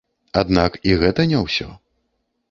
Аднак і гэта не ўсё.